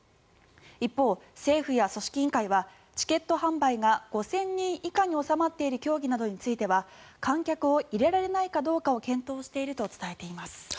一方、政府や組織委員会はチケット販売が５０００人以下に収まっている競技などについては観客を入れられないかどうかを検討していると伝えています。